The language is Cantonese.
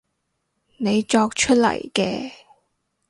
你作出嚟嘅